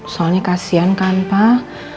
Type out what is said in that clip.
soalnya kasihan kan pak